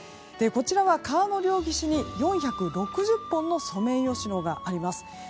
こちらは川の両岸に４６０本のソメイヨシノがあります。